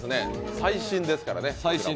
最新ですからね。